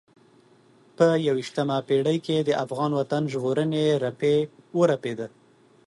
په یوه یشتمه پېړۍ کې د افغان وطن ژغورنې رپی ورپېده.